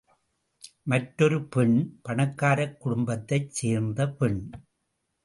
மற்றொரு பெண் பணக்காரக் குடும்பத்தைச் சேர்ந்த பெண்.